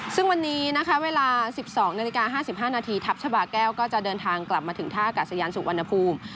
ซึ่งวันนี้นะคะเวลาสิบสองนาฬิกาห้าสิบห้านาทีทับฉบาแก้วก็จะเดินทางกลับมาถึงท่ากาสยานสุขวรรณภูมิ